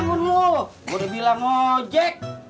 bangun dulu gua udah bilang mau jek